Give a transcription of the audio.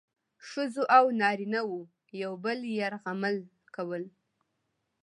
ښځو او نارینه وو یو بل یرغمل کول.